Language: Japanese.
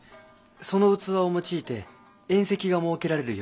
その器を用いて宴席が設けられるようです。